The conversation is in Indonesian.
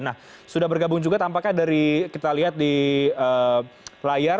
nah sudah bergabung juga tampaknya dari kita lihat di layar